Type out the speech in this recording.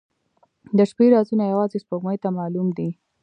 • د شپې رازونه یوازې سپوږمۍ ته معلوم دي.